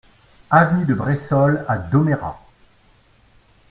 Avenue de Bressolles à Domérat